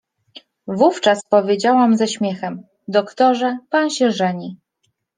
Wówczas powiedziałam ze śmiechem: „Doktorze, pan się żeni!”.